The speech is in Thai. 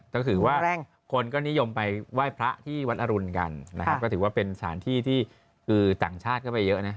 ก็ถือว่าคนก็นิยมไปไหว้พระที่วัดอรุณกันนะครับก็ถือว่าเป็นสถานที่ที่คือต่างชาติก็ไปเยอะนะ